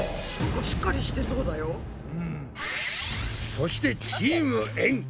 そしてチームエん。